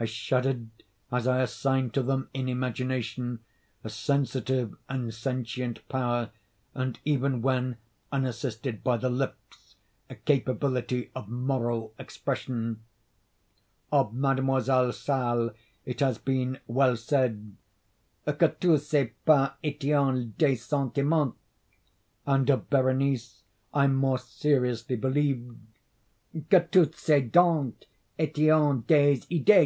I shuddered as I assigned to them in imagination a sensitive and sentient power, and even when unassisted by the lips, a capability of moral expression. Of Mademoiselle Salle it has been well said, "Que tous ses pas etaient des sentiments," and of Berenice I more seriously believed que toutes ses dents etaient des idées.